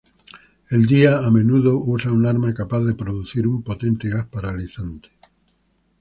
El día a menudo usa un arma capaz de producir un potente gas paralizante.